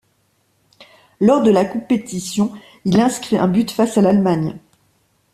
Lors de la compétition, il inscrit un but face à l'Allemagne.